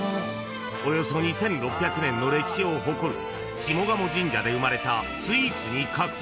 ［およそ２，６００年の歴史を誇る下鴨神社で生まれた］